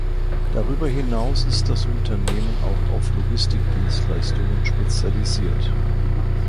Darüber hinaus ist das Unternehmen auch auf Logistikdienstleistungen spezialisiert.